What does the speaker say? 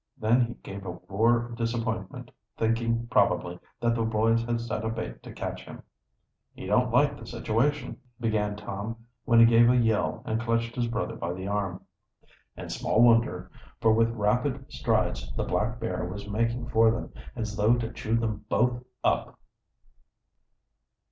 Then he gave a roar of disappointment; thinking, probably, that the boys had set a bait to catch him. "He don't like the situation," began Tom, when he gave a yell and clutched his brother by the arm. And small wonder, for with rapid strides the black bear was making for them, as though to chew them both up!